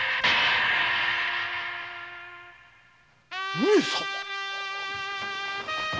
上様！